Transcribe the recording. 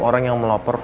orang yang melapor